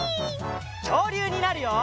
きょうりゅうになるよ！